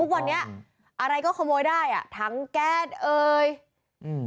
วันนี้อะไรก็ขโมยได้อ่ะถังแก๊สเอ่ยอืม